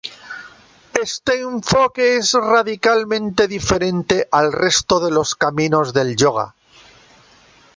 Este enfoque es radicalmente diferente al resto de los caminos del yoga.